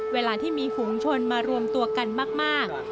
เวลาที่มีฝูงชนมารวมตัวกันมาก